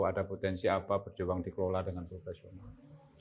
ada potensi apa berjuang dikelola dengan profesional